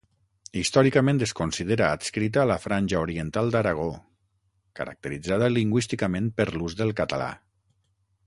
Històricament es considera adscrita a la Franja Oriental d'Aragó caracteritzada lingüísticament per l'ús del català.